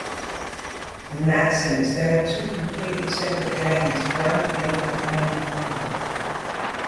In that sense, they are two completely separate games bound together by name only.